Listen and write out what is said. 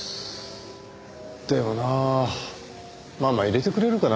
でもなママ入れてくれるかな？